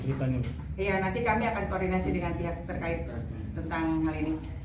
iya nanti kami akan koordinasi dengan pihak terkait tentang hal ini